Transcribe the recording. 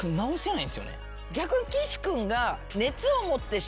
逆に岸君が。